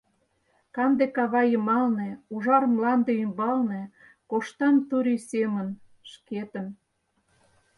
Канде кава йымалне, ужар мланде ӱмбалне коштам турий семын шкетын.